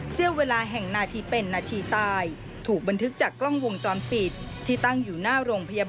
เสี่ยวเวลาแห่งนาทีเป็นนาทีตาย